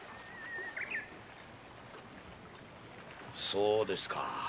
そうですか。